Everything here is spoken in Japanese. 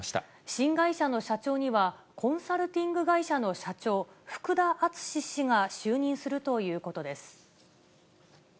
新会社の社長には、コンサルティング会社の社長、福田淳氏が就任するということです。